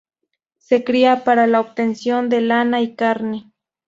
Se cría para la obtención de lana y carne.